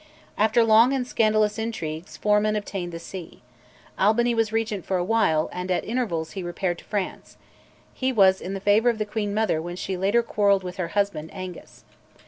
After long and scandalous intrigues, Forman obtained the see. Albany was Regent for a while, and at intervals he repaired to France; he was in the favour of the queen mother when later she quarrelled with her husband, Angus.